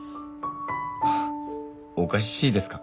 おかしいですか？